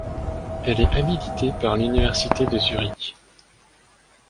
Elle est habilitée par l’Université de Zurich.